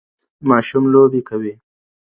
ماشوم لوبې کوي